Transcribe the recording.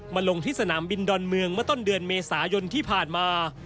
ลงที่สนามบินดอนเมืองเมื่อต้นเดือนเมษายนที่ผ่านมา